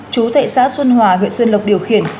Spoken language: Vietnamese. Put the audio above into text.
chú thệ xã xuân hòa huyện xuân lộc điều khiển